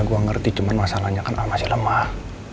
iya gue ngerti cuman masalahnya kan al masih lemah